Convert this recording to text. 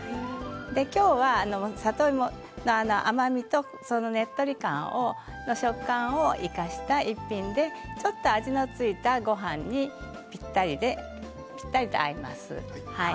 今日は里芋の甘みとねっとり感、食感を生かした１品でちょっと味の付いたごはんにぴったりと合います。